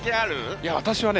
いや私はね